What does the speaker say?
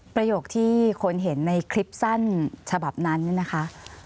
ประโยคที่คนเห็นในคลิปสั้นฉบับนั้นเนี่ยนะคะ